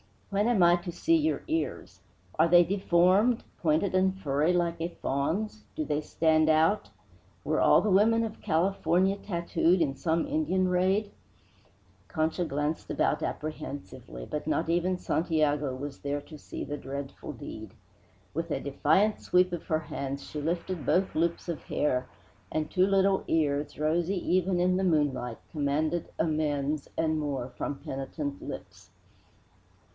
When am I to see your ears? Are they deformed, pointed and furry like a fawn's? Do they stand out? Were all the women of California tattooed in some Indian raid " Concha glanced about apprehensively, but not even Santiago was there to see the dreadful deed. With a defiant sweep of her hands she lifted both loops of hair, and two little ears, rosy even in the moonlight, commanded amends and more from penitent lips.